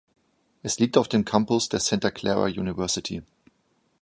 Es liegt auf dem Campus der Santa Clara University.